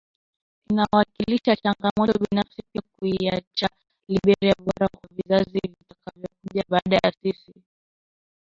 Inawakilisha changamoto binafsi pia kuiacha Liberia bora kwa vizazi vitakavyokuja baada ya sisi